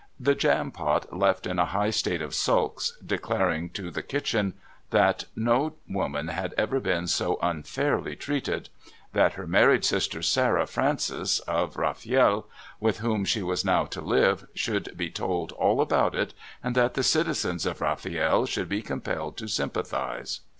The Jampot left in a high state of sulks, declaring to the kitchen that no woman had ever been so unfairly treated; that her married sister Sarah Francis, of Rafiel, with whom she was now to live, should be told all about it, and that the citizens of Rafiel should be compelled to sympathise.